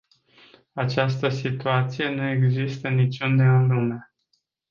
Această situație nu există niciunde în lume.